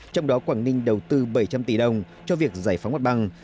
trong đó quảng ninh đầu tư bảy trăm linh tỷ đồng cho việc giải phóng mặt bằng